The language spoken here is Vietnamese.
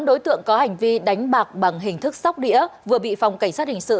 tám đối tượng có hành vi đánh bạc bằng hình thức sóc đĩa vừa bị phòng cảnh sát địa